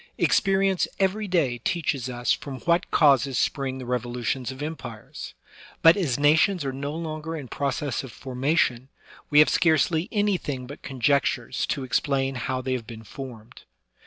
Experience every day teaches us from what causes spring the revolutions of empires; but, as na tions are no longer in process of formation, we have scarcely anything but conjectures to explain how they have been formed.